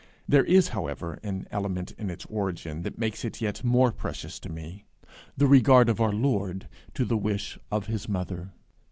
There is however an element in its origin that makes it yet more precious to me the regard of our Lord to a wish of his mother.